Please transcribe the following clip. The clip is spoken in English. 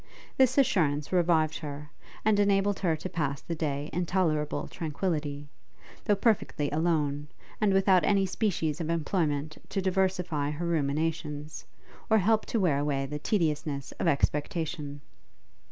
This assurance revived her, and enabled her to pass the day in tolerable tranquillity, though perfectly alone, and without any species of employment to diversify her ruminations, or help to wear away the tediousness of expectation.